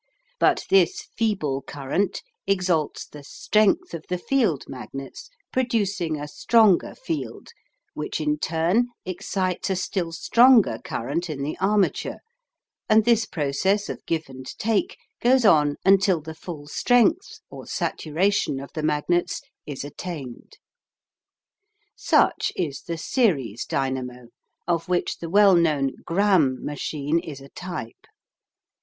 But this feeble current exalts the strength of the field magnets, producing a stronger field, which in turn excites a still stronger current in the armature, and this process of give and take goes on until the full strength or "saturation" of the magnets is attained. Such is the "series" dynamo, of which the well known Gramme machine is a type.